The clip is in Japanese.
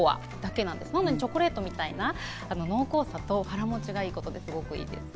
なのでチョコレートみたいな濃厚さと腹持ちがいいことがすごくいいです。